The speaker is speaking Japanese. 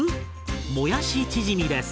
もやしチヂミです。